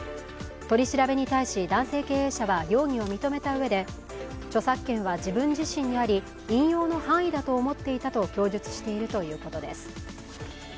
取り調べに対し、男性経営者は容疑を認めたうえで著作権は自分自身にあり、引用の範囲だと思っていたと供述しているということです。